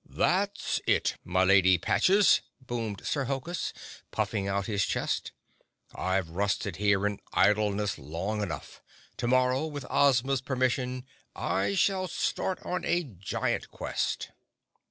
"That it is, my Lady Patches!" boomed Sir Hokus, puffing out his chest. "I've rusted here in idleness long enough. To morrow, with Ozma's permission, I shall start on a giant quest."